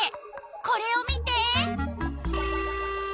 これを見て！